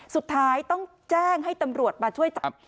สุดท้ายต้องแจ้งให้ตำรวจมาช่วยจับ